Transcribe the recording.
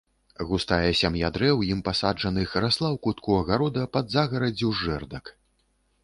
Густая сям'я дрэў, ім пасаджаных, расла ў кутку агарода пад загараддзю з жэрдак.